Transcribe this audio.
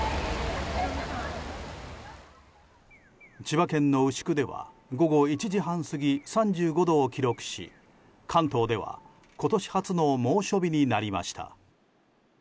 千葉県の牛久では３５度を記録し、関東では今年初の猛暑日になりました。